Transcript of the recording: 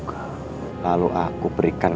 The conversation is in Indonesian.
kau lalu aku berikan